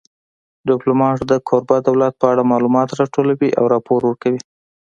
ډیپلومات د کوربه دولت په اړه معلومات راټولوي او راپور ورکوي